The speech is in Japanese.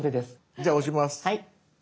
じゃあ押します。